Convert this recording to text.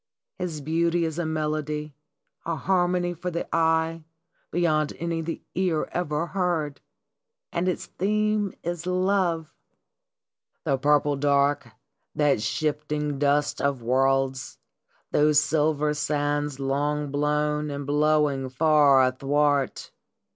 His beauty is a melody, a harmony for the eye beyond any the ear ever heard ! And its theme is Love !" The purple dark, that shifting dust of worlds, those silver sands long blown and blowing far athwart